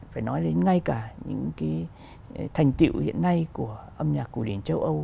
phải nói đến ngay cả những cái thành tiệu hiện nay của âm nhạc cổ điển châu âu